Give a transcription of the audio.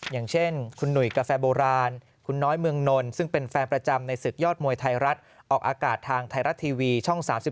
อย่างเช่นคุณหนุ่ยกาแฟโบราณคุณน้อยเมืองนนท์ซึ่งเป็นแฟนประจำในศึกยอดมวยไทยรัฐออกอากาศทางไทยรัฐทีวีช่อง๓๒